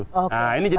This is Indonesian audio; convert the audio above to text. oke baik nah ini jadi